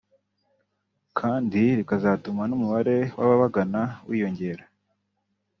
kandi rikazatuma n’ umubare w’ababagana wiyongera